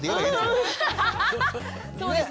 そうですね。